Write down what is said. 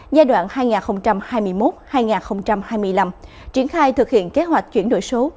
giai đoạn hai nghìn hai mươi một hai nghìn hai mươi năm triển khai thực hiện kế hoạch chuyển đổi số